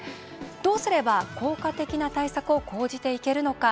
どうすれば効果的な対策を講じていけるのか。